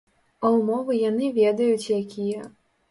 А ўмовы яны ведаюць, якія.